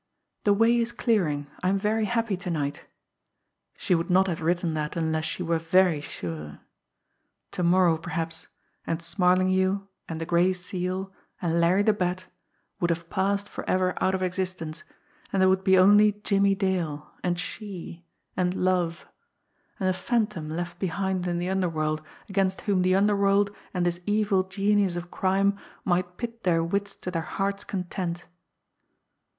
"The way is clearing.... I am very happy to night." She would not have written that unless she were very sure. To morrow, perhaps, and Smarlinghue, and the Gray Seal, and Larry the Bat would have passed forever out of existence, and there would be only Jimmie Dale, and she, and love and a phantom left behind in the underworld against whom the underworld and this evil genius of crime might pit their wits to their hearts' content!